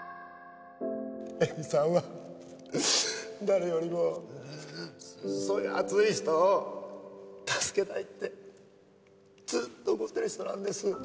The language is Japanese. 江見さんは誰よりもそういう熱い人を助けたいってずっと思ってる人なんです。